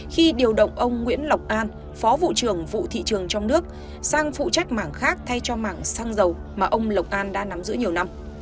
khi điều động ông nguyễn lộc an phó vụ trưởng vụ thị trường trong nước sang phụ trách mảng khác thay cho mảng xăng dầu mà ông lộc an đã nắm giữ nhiều năm